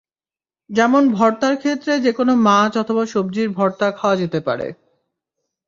যেমন ভর্তার ক্ষেত্রে যেকোনো মাছ অথবা সবজির ভর্তা খাওয়া যেতে পারে।